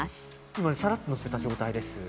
これがさらっとのせた状態です。